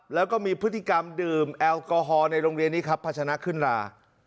แล้วก็มีพฤติกรรมดื่มแอลกอฮอล์ในโรงเรียนนี้ครับพัชนะขึ้นรา